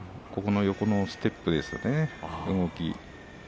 横のステップですね動き。